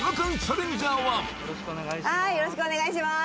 よろしくお願いします